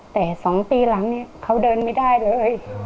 แต่๒ปีหลังเนี่ยเขาเดินไม่ได้เลย